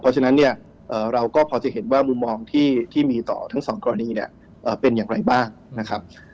เพราะฉะนั้นเนี่ยเราก็พอจะเห็นว่ามุมมองที่มีต่อทั้งสองกรณีเนี่ยเป็นอย่างไรบ้างนะครับ